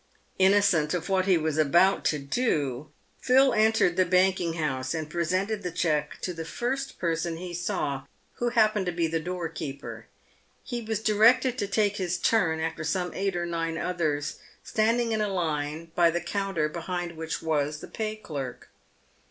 Innocent of what he was about to do, Phil entered the banking house, and presented the cheque to the first person he saw, who hap pened to be the doorkeeper. He was directed to take his turn after some eight or nine others, standing in a line by the counter behind which was the pay clerk.